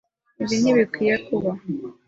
Ibi ntibikwiye kuba.